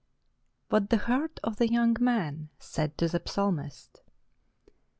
■WHAT THE HEART OF THE YOUNG MAN SAID TO THE PSALMIST.